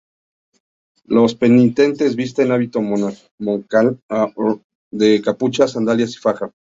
Los penitentes visten hábito monacal blanco con capucha, sandalias y faja.